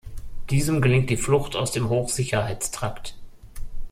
Diesem gelingt die Flucht aus dem Hochsicherheitstrakt.